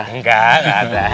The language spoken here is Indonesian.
enggak enggak ada